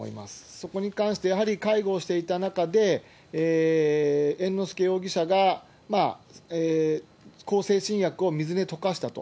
そこに関して、やはり介護をしていた中で、猿之助容疑者が向精神薬を水に溶かしたと。